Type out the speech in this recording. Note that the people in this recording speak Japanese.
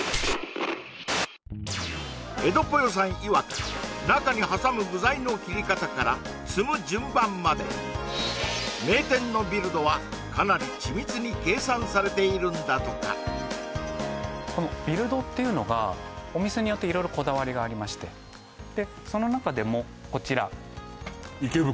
えどぽよさんいわく中に挟む具材の切り方から積む順番まで名店のビルドはかなり緻密に計算されているんだとかこのビルドっていうのがお店によって色々こだわりがありましてでその中でもこちら池袋？